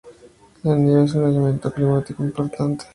La nieve es un elemento climático importante.